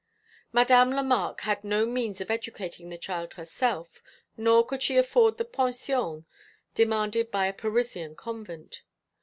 Madame Lemarque had no means of educating the child herself, nor could she afford the pension demanded by a Parisian convent.